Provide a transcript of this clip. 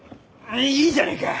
いいじゃねえか！